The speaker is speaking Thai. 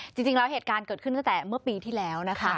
จริงแล้วเหตุการณ์เกิดขึ้นตั้งแต่เมื่อปีที่แล้วนะคะ